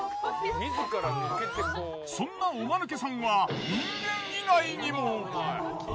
そんなおマヌケさんは人間以外にも。